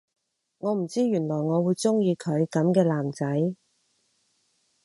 我唔知原來我會鍾意佢噉嘅男仔